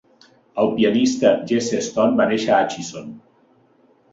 El pianista Jesse Stone va néixer a Atchison.